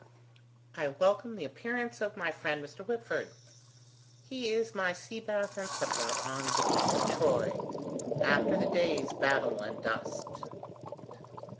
I welcome the appearance of my friend Mr. Whitford. He is my sea bath and supper on the beach of Troy, after the day's battle and dust."